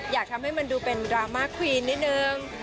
อยากทำให้มันดูเป็นดราม่าคุณนิดหนึ่ง